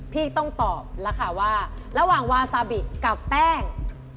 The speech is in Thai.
พี่ต้องตอบแล้วค่ะว่าระหว่างวาซาบิกับแป้ง